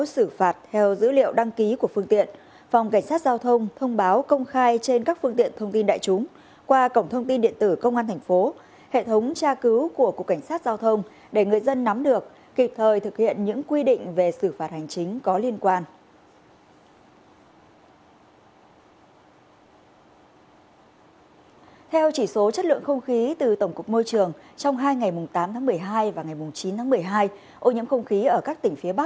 xin kính chào và hẹn gặp lại